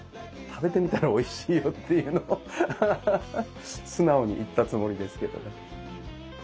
食べてみたらおいしいよっていうのを素直に言ったつもりですけどね。